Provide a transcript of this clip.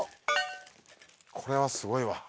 これはすごいわ。